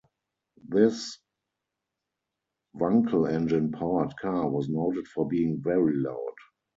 This Wankel engine-powered car was noted for being very loud.